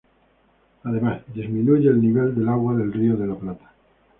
Además disminuye el nivel del agua del Río de la Plata.